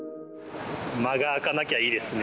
間が空かなきゃいいですね。